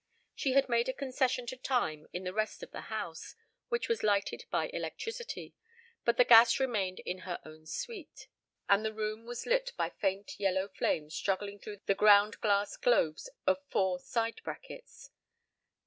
She had made a concession to time in the rest of the house, which was lighted by electricity, but the gas remained in her own suite, and the room was lit by faint yellow flames struggling through the ground glass globes of four side brackets.